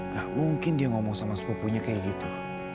gak mungkin dia ngomong sama sepupunya kayak gitu